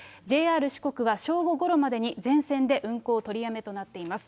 ＪＲ四国は正午ごろまでに全線で運行取りやめとなっております。